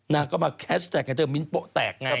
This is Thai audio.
นางก็มาแคชแทคไงเธอมิ้นโปะแตกไง